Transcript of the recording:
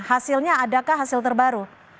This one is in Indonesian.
hasilnya adakah hasil terbaru